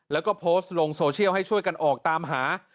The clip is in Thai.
แล้วก็โพสต์ลงโซเชียลให้ช่วยกันออกตามหา